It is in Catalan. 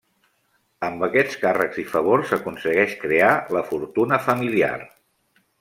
Amb aquests càrrecs i favors aconsegueix crear la fortuna familiar.